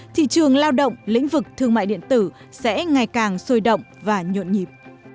thị trường lao động lĩnh vực thương mại điện tử sẽ ngày càng sôi động và nhộn nhịp